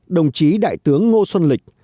đồng chí đại tướng ngô xuân lịch